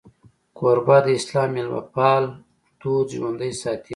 کوربه د اسلام میلمهپال دود ژوندی ساتي.